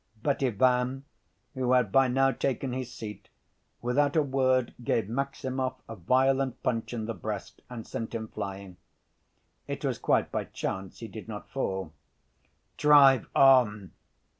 But Ivan, who had by now taken his seat, without a word gave Maximov a violent punch in the breast and sent him flying. It was quite by chance he did not fall. "Drive on!"